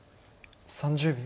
３０秒。